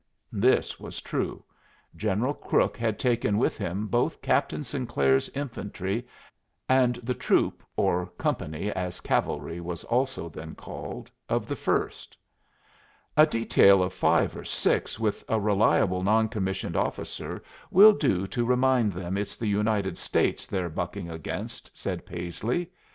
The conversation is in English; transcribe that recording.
This was true. General Crook had taken with him both Captain Sinclair's infantry and the troop (or company, as cavalry was also then called) of the First. "A detail of five or six with a reliable non commissioned officer will do to remind them it's the United States they're bucking against," said Paisley.